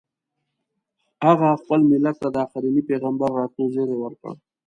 هغه خپل ملت ته د اخرني پیغمبر راتلو زیری ورکړ.